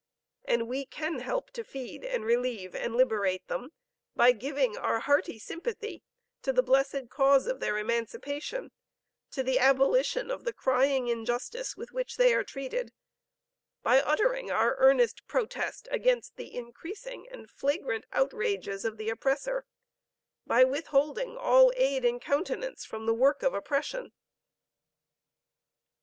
And we can help to feed and relieve and liberate them, by giving our hearty sympathy to the blessed cause of their emancipation, to the abolition of the crying injustice with which they are treated, by uttering our earnest protest against the increasing and flagrant outrages of the oppressor, by withholding all aid and countenance from the work of oppression."